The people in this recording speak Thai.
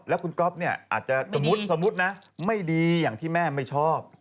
แล้วคุณก๊อฟเนี่ยอาจจะสมมุตินะไม่ดีอย่างที่แม่ไม่ชอบ